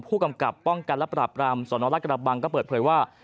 ผู้กำกับป้องกันและปราบรามสนรัฐกระบังก็เปิดเผยว่า